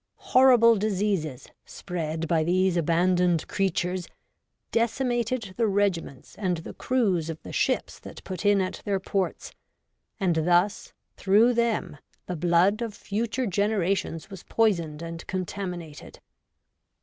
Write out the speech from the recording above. Horrible diseases, spread by these abandoned 54 REVOLTED WOMAN. creatures, decimated the regiments and the crews of the ships that put in at their ports ; and thus, through them, the blood of future generations was poisoned and contaminated.